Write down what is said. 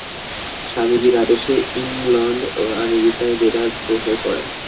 স্বামীজীর আদেশে ইংলণ্ড ও আমেরিকায় বেদান্ত প্রচার করেন।